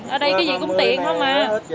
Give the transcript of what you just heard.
ở đây cái gì cũng tiền thôi mà